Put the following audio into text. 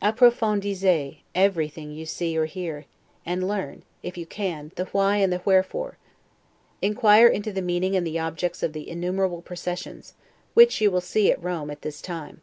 'Approfondissez' everything you see or hear; and learn, if you can, the WHY and the WHEREFORE. Inquire into the meaning and the objects of the innumerable processions, which you will see at Rome at this time.